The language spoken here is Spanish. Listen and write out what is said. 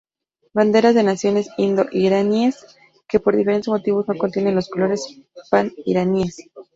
Banderas de naciones indo-iraníes que, por diferentes motivos no contienen los colores pan-iraníes.